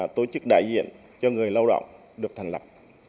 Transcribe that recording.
tổ chức đại diện cho người lao động được thành lập